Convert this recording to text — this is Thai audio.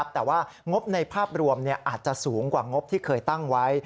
แต่ว่างบในภาพรวมอาจจะสูงกว่างบที่เคยตั้งไว้